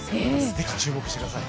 ぜひ注目してください。